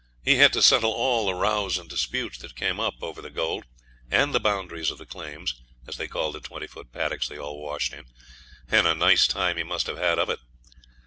He had to settle all the rows and disputes that came up over the gold, and the boundaries of the claims, as they called the twenty foot paddocks they all washed in, and a nice time he must have had of it!